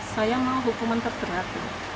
saya mau hukuman terperat